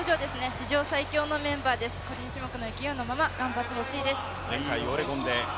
史上最強のメンバーです、個人種目の勢いのまま頑張ってほしいです。